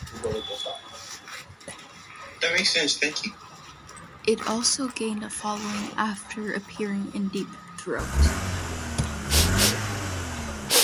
It also gained a following after appearing in "Deep Throat".